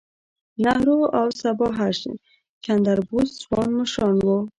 نهرو او سبهاش چندر بوس ځوان مشران وو.